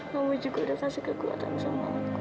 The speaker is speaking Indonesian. kamu juga sudah kasih kekuatan sama aku